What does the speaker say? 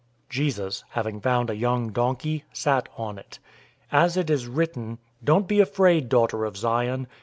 012:014 Jesus, having found a young donkey, sat on it. As it is written, 012:015 "Don't be afraid, daughter of Zion.